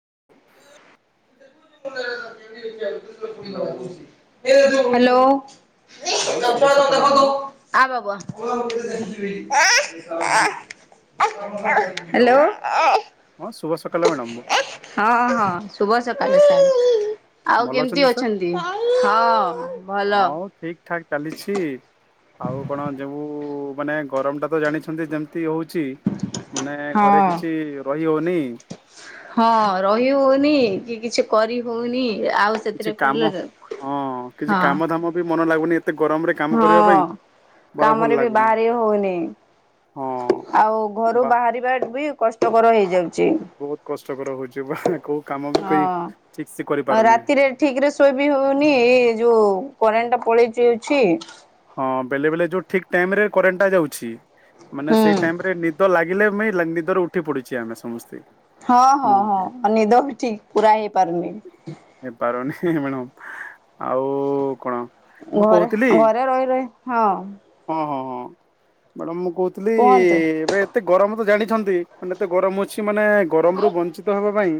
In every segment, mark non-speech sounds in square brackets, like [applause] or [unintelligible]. [inaudible] [inaudible] Hello [inaudible] hello ହଁ [inaudible] ଶୁଭ ସକାଳ ମ୍ୟାଡ଼ାମ ବାବା [inaudible] [inaudible] ହ୍ୟାଲୋ। ହଁ ହଁ ଶୁଭ ସକାଳ ମ୍ୟାଡ଼ାମ ହଁ ଶୁଭ ସକାଳ ସାର୍। ଆଉ ଭଲ କେମିତି ସାର୍ ଅଛନ୍ତି ।ହଁ ଭଲ। ହଁ ଠିକ ଠାକ୍ ଚାଲିଛି ଆଉ କଣ ଯବୁ ମାନେ ଗରମ ଟା ତ ଜାଣିଛନ୍ତି ଯେମତି ହଉଛି। ମାନେ ହଁ ଘରେ କିଛି ରହି ହଉନି ହଁ ରହି ହଉନି କି କିଛି କରି ହଉନି ଆଉ କିଛି ସେଥିରେ କାମ ହଁ କିଛି ହଁ କାମ ଧାମ ବି ମନ ଲାଗୁନି ଏତେ ଗରମରେ କାମ କରିବା ହଁ ପାଇଁ ବରା ଭଲ କାମରେ ବି ଲାଗୁନି ବାହାରି ହଉନି ହଁ ଆଉ ଘରୁ ବା ବାହାରିବା ବି କଷ୍ଟକର ହେଇଯାଉ ଛି ବହୁତ କଷ୍ଟକର ହଉଛି ବା କୋଉ କାମ ବି କରି ଠିକ ସେ ହଁ କରିପାରୁନି ରାତିରେ ଠିକ ରେ ଶୋଇ ବି ହଉନି ଏ ଯୋଉ କରେଣ୍ଟ ଟା ପଳେଇ ଯାଉଛି ହଁ ବେଳେବେଳେ ଯେଉଁ ଠିକ୍ ଟାଇମ ରେ କରେଣ୍ଟାଟା ଯାଉଛି ମାନେ ହୁଁ ସେଇ ଟାଇମ ରେ ନିଦ ଲାଗେ ଲାଗିଲେ ନେ ନିନ୍ଦ ରୁ ଉଠିପଡୁଛେ ଆମେ ସମସ୍ତେ ହଁ ହଁ ନୁହଁ କି ହଁ ନିିଦ ବି ଠିକ ପୁରା ହେଇ ପାରୁନି [inaudible] ଆଉ କଣ ମୁଁ ଘରେ ଘରେ କହୁଥିଲି ଘରେ ରହି ରହି ହଁ ବଡ଼ ମୁଖ କହୁଥିଲି କୁହନ୍ତୁ। ଏବେ ଏତେ ଗରମ ତ ଜାଣି ଛନ୍ତି ମାନେ ଏତେ ଗରମ ଅଛି ମାନେ ଗରମରୁ ବଞ୍ଚିତ ହେବା ପାଇଁ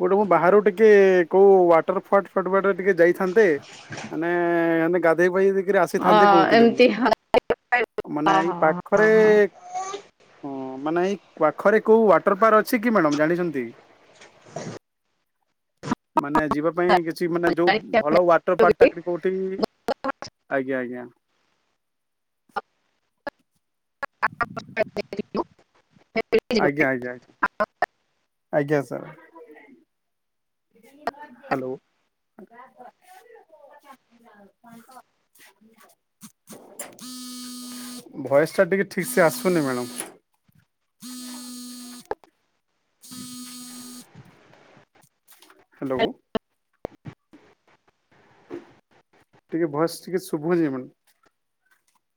କୋଉଟେ ମୁଁ ବାହାରୁ ଟିକେ କୋଉ ୱାଟର ଫଟ ଫଲ ବାଟେ ଟିକେ ଯାଇଥା ଥାନ୍ତେ ମାନେ ଗାଧେଇ ପାଇଦେଇକିରା ଅ ଥାନ୍ତେ କହୁଥିଲି ମୁଁ ଏମିତି ହଁ ମାନେ ହଁ ହଁ ଏଇ ହଁ ପାଖରେ ହଁ। ହଁ ମାନେ ଏଇ ପା ପାଖରେ କୋଉ ୱାଟର ପାର୍କ ଅଛି କି ମ୍ୟାଡ଼ମ ଜାଣିଛନ୍ତି ମାନେ ଯିବା ପାଇଁ କେତେ ମାନେ ଯୋଉ ଭଲ ୱାଟର ପାର୍କ ଟା କୋଉଠି କି ଆଜ୍ଞା ଆଜ୍ଞା [inaudible] ଆଜ୍ଞା ଆଜ୍ଞା [inaudible] ଆଜ୍ଞା ସାର୍ ହାଲୋ ଭଏସ ଟା ଟିକେ ଠିକ ସେ ଆସୁନି ମ୍ୟାଡମ ହୁଁ [unintelligible] ହାଲୋ ଟିକେ ଭୋଇସ ଟିକେ ଶୁଭାଯାଉନି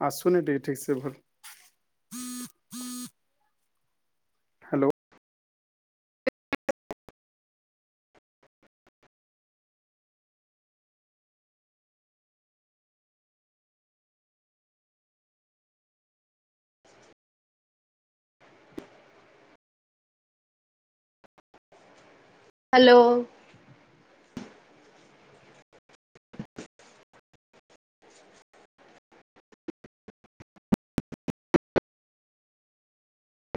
ଆସୁନି ଟିକେ ଠିକ ସେ ଭଲ ହ୍ୟାଲୋ ହ୍ୟାଲୋ